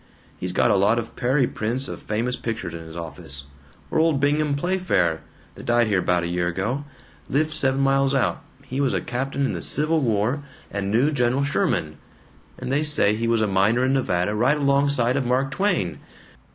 He's got a lot of Perry prints of famous pictures in his office. Or old Bingham Playfair, that died here 'bout a year ago lived seven miles out. He was a captain in the Civil War, and knew General Sherman, and they say he was a miner in Nevada right alongside of Mark Twain.